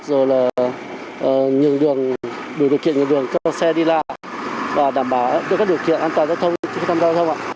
rồi là đưa điều kiện về đường cho xe đi lại và đảm bảo cho các điều kiện an toàn giao thông